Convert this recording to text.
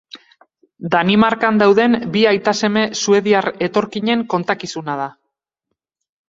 Danimarkan dauden bi aita-seme suediar etorkinen kontakizuna da.